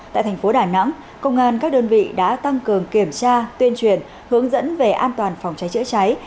tại thành phố đà nẵng công an các đơn vị đã tăng cường kiểm tra tuyên truyền hướng dẫn về an toàn phòng cháy chữa cháy